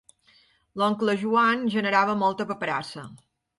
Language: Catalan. L'oncle Joan generava molta paperassa.